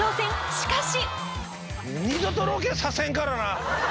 しかし！